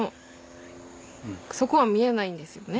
そこは見えないんですよね。